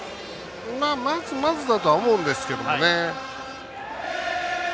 まずまずだとは思うんですけどね。